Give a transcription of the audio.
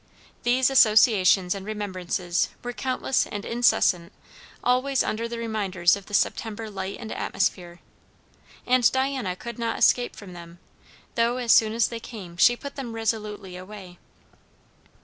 These associations and remembrances were countless and incessant always under the reminders of the September light and atmosphere; and Diana could not escape from them, though as soon as they came she put them resolutely away.